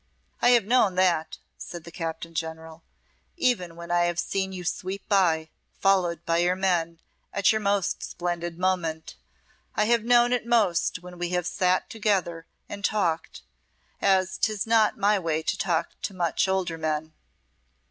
"I have known that," said the Captain General, "even when I have seen you sweep by, followed by your men, at your most splendid moment. I have known it most when we have sate together and talked as 'tis not my way to talk to much older men."